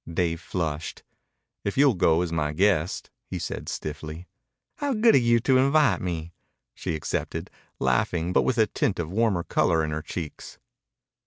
Dave flushed. "If you'll go as my guest," he said stiffly. "How good of you to invite me!" she accepted, laughing, but with a tint of warmer color in her cheeks.